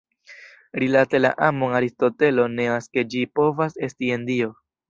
Rilate la amon Aristotelo neas ke ĝi povas esti en Dio.